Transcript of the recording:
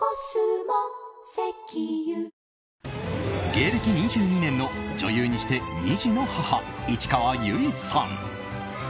芸歴２２年の女優にして２児の母、市川由衣さん。